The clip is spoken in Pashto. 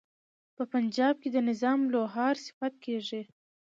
په پنجاب کې د نظام لوهار صفت کیږي.